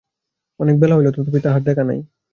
অনেক বেলা হইল, তথাপি তাহার দেখা নাই।